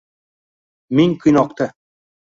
Ming qiynoqda